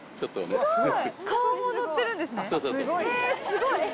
すごい！